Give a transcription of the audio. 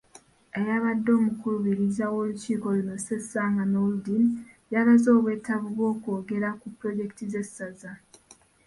Ayabadde omukubiriza w'olukiiko luno, Ssesanga Noordin, yalaze obwetaavu bw'okwongera ku pulojekiti z'essaza.